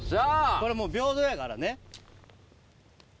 これもう平等やからね。